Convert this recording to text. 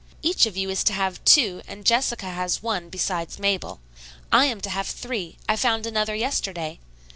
Each of you is to have two and Jessica has one besides Mabel. I am to have three; I found another yesterday.